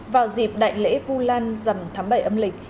vào dịp đại lễ vu lan dằm thám bày âm lịch